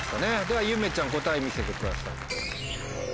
ではゆめちゃん答え見せてください。